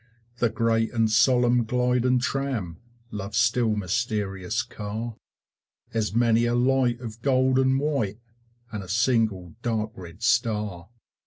The great and solemn gliding tram, Love's still mysterious car, Has many a light of gold and white, And a single dark red star.